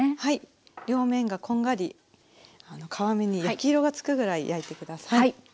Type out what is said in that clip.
両面がこんがり皮目に焼き色が付くぐらい焼いて下さい。